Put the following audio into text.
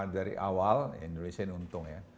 dari awal indonesia ini untung ya